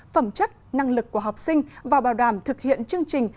phẩm chất năng lực của học sinh và bảo đảm thực hiện chương trình